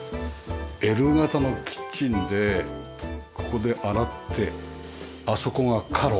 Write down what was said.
Ｌ形のキッチンでここで洗ってあそこが火炉。